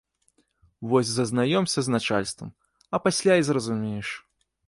Вось зазнаёмся з начальствам, а пасля і зразумееш.